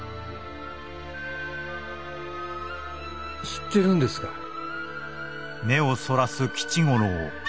知ってるんですかい？